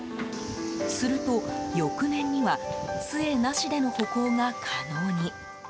すると、翌年には杖なしでの歩行が可能に。